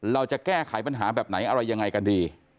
เราจะแก้ไขปัญหาแบบไหนอะไรยังไงกันดี